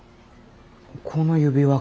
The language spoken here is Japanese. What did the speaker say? この指輪が？